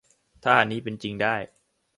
ถ้าอันนี้เป็นจริงได้